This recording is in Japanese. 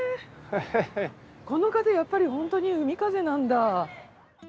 この風やっぱり本当に海風なんだ。